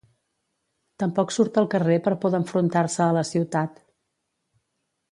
Tampoc surt al carrer per por d'enfrontar-se a la ciutat.